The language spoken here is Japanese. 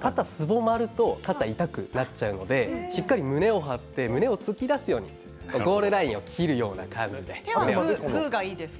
肩をすぼめると痛くなっちゃうので、しっかり胸を張って突き出すようにゴールラインを切るような感じです。